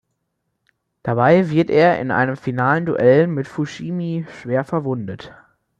Dabei wird er in einem finalen Duell mit Fushimi schwer verwundet.